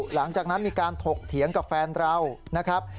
หลังจากนั้นมีการถกเถียงกับแฟนเรานะครับ